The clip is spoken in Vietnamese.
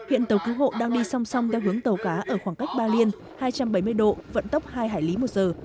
hiện tàu cứu hộ đang đi song song theo hướng tàu cá ở khoảng cách ba liên hai trăm bảy mươi độ vận tốc hai hải lý một giờ